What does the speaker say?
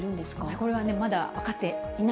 これはね、まだ分かっていな